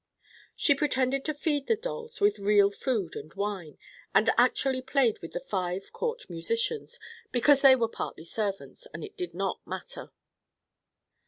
She pretended to feed the dolls with real food and wine, and actually played with the five court musicians, because they were partly servants and it did not matter.